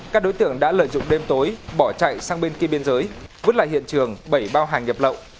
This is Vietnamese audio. các đối tượng đã lợi dụng đêm tối bỏ chạy sang bên kia biên giới vứt lại hiện trường bảy bao hàng nhập lậu